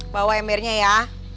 bawa embernya ya